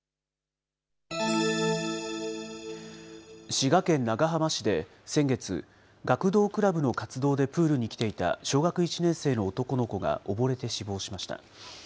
滋賀県長浜市で先月、学童クラブの活動でプールに来ていた小学１年生の男の子が溺れて死亡しました。